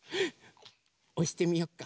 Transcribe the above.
おしてみよっか。